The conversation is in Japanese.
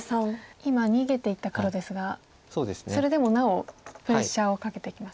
今逃げていった黒ですがそれでもなおプレッシャーをかけてきます。